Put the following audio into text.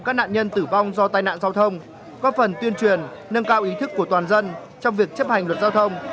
các nạn nhân tử vong do tai nạn giao thông góp phần tuyên truyền nâng cao ý thức của toàn dân trong việc chấp hành luật giao thông